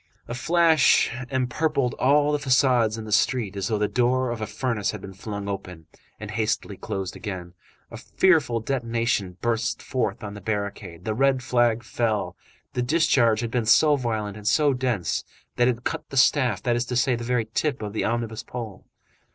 A flash empurpled all the façades in the street as though the door of a furnace had been flung open, and hastily closed again. A fearful detonation burst forth on the barricade. The red flag fell. The discharge had been so violent and so dense that it had cut the staff, that is to say, the very tip of the omnibus pole.